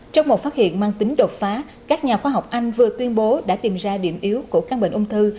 trong một phát hiện mang tính đột phá các nhà khoa học anh vừa tuyên bố đã tìm ra điểm yếu của căn bệnh ung thư